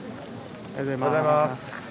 おはようございます。